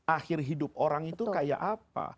akhir hidup orang itu kayak apa